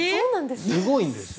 すごいんですよ。